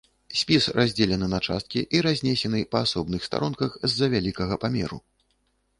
Спіс раздзелены на часткі і разнесены па асобных старонках з-за вялікага памеру.